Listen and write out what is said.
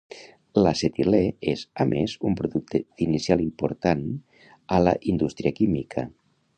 L'acetilè és, a més, un producte d'inicial important a la indústria química.